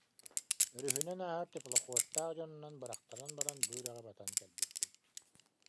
Өрүһүнэн ааһар теплоходтаах дьонунан бырахтаран баран, бу үрэҕи батан кэлбиппит